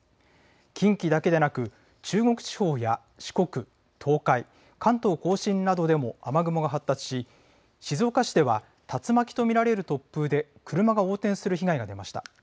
近畿だけでなく、中国地方や四国、東海、関東甲信などでも雨雲が発達し、静岡市では竜巻と見られる突風で、車が横転する被害が出ました。